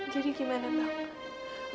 jadi gimana bang